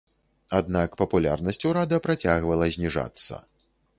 Аднак папулярнасць урада працягвала зніжацца.